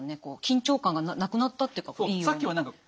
緊張感がなくなったっていうか。